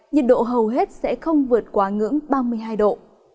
nhiệt độ hầu hết sẽ không vượt quá ngưỡng ba mươi hai độ